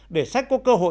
để sách có cơ hội